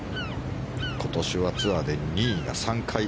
今年はツアーで２位が３回。